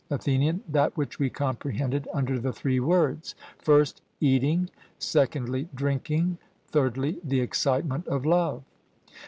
ATHENIAN: That which we comprehended under the three words first, eating, secondly, drinking, thirdly, the excitement of love.